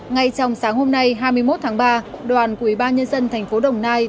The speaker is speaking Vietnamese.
ngay trong sáng hôm nay hai mươi một tháng ba đoàn của ủy ban nhân dân thành phố đồng nai